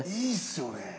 いいっすよね。